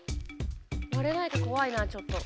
われないかこわいなちょっと。